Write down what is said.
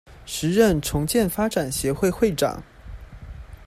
時任重建發展協會會長